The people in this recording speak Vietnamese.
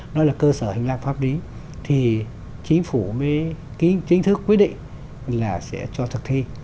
nó là cơ sở hành lang pháp lý thì chính phủ mới chính thức quyết định là sẽ cho thực thi